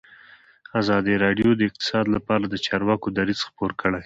ازادي راډیو د اقتصاد لپاره د چارواکو دریځ خپور کړی.